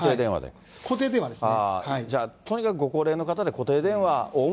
固定電話ですね。